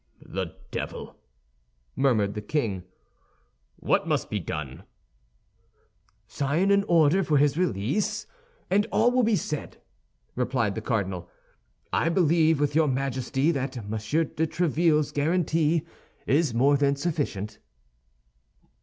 "The devil!" murmured the king; "what must be done?" "Sign an order for his release, and all will be said," replied the cardinal. "I believe with your Majesty that Monsieur de Tréville's guarantee is more than sufficient."